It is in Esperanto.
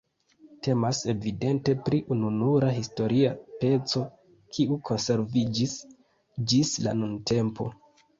Temas evidente pri ununura historia peco, kiu konserviĝis ĝis la nuntempo.